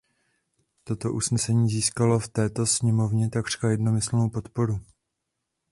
Toto usnesení získalo v této sněmovně takřka jednomyslnou podporu.